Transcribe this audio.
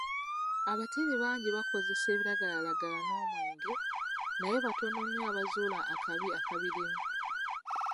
Abatiini bangi bakozesa ebiragalalagala n'omwenge, naye batono nnyo abazuula akabi akabirimu.